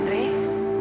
aku pasti kasihan